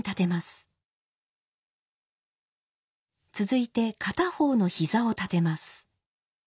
続いて片方の膝を立てます。